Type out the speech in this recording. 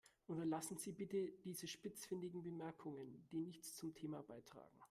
Unterlassen Sie bitte diese spitzfindigen Bemerkungen, die nichts zum Thema beitragen.